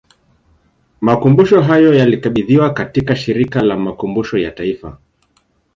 Makumbusho hayo yalikabidhiwa katika Shirika la Makumbusho ya Taifa